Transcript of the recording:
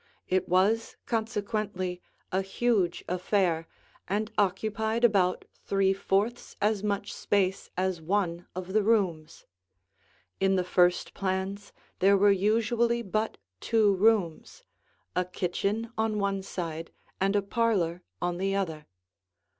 It was consequently a huge affair and occupied about three fourths as much space as one of the rooms. In the first plans, there were usually but two rooms, a kitchen on one side and a parlor on the other.